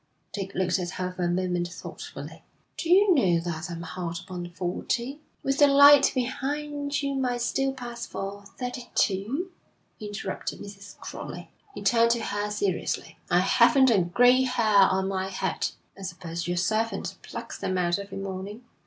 Dick looked at her for a moment thoughtfully. 'Do you know that I'm hard upon forty?' 'With the light behind, you might still pass for thirty two,' interrupted Mrs. Crowley. He turned to her seriously. 'I haven't a grey hair on my head.' 'I suppose your servant plucks them out every morning?'